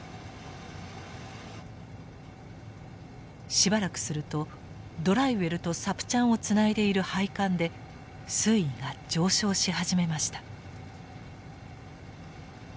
しばらくするとドライウェルとサプチャンをつないでいる配管で水位が上昇し始めました。